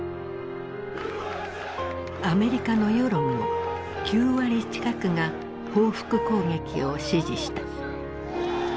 アメリカの世論も９割近くが報復攻撃を支持した。